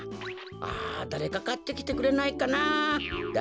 あだれかかってきてくれないかなだれか。